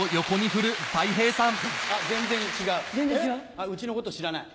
全然違ううちのこと知らない。